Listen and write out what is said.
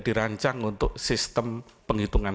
dirancang untuk sistem penghitungan